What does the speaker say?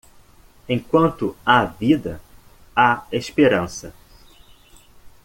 Enquanto há vida, há esperança.